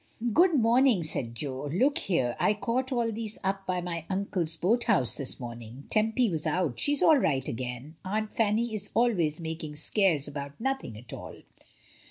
"Good morning," said Jo. "Look here, I caught all these up by my uncle's boat house this morning. Tempy was out; she is all right again. Aunt Fanny is always making scares about nothing at all."